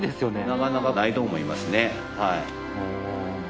なかなかないと思います。